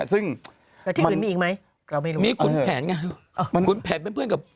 แล้วที่อื่นมีอีกไหม